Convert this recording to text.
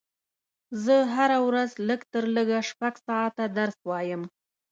زه هره ورځ لږ تر لږه شپږ ساعته درس وایم